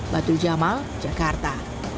batu jamal jakarta